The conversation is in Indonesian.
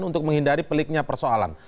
untuk menghindari peliknya persoalan